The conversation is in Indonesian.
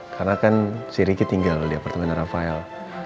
karena kan si ricky tinggal di apartemen raffael